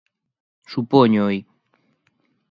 _Supóñoo.